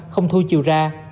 không thu chiều ra